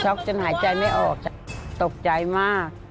ช็อคจนหายใจไม่ออกฉันตกใจมาก